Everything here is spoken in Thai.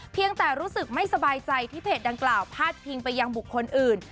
ยังแต่รู้สึกไม่สบายใจที่เพจดังกล่าวพาดพิงไปยังบุคคลอื่น